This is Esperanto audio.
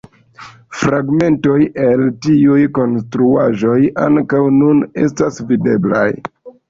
Fragmentoj el tiuj konstruaĵoj ankaŭ nun estas videblaj.